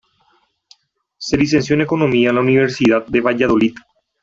Se licenció en Economía en la Universidad de Valladolid.